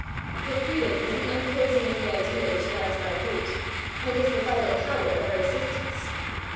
For freedom is the unclosing of the idea which lies at our root, and is the vital power of our existence.